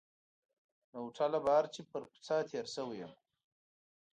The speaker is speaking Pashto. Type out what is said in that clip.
له هوټله بهر چې پر کوڅه تېر شوی یم.